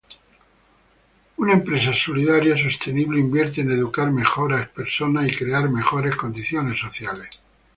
Una empresa solidaria sostenible invierte en educar mejores personas y crear mejores condiciones sociales.